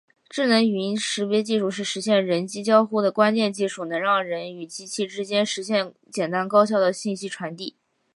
智能语音识别技术是实现人机交互的关键技术，能让人与机器之间实现简单高效的信息传递。